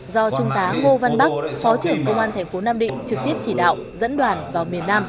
do trung tá ngô văn bắc phó trưởng công an thành phố nam định trực tiếp chỉ đạo dẫn đoàn vào miền nam